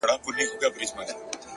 و ماته عجيبه دي توري د ‘